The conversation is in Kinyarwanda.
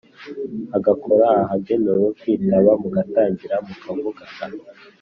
agakoraahagenewe kwitaba, mugatangira mukavugana.